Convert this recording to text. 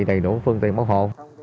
đầy đủ phương tiện bảo hộ